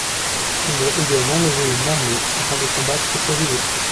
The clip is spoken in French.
Il doit également lever une armée afin de combattre ses rivaux.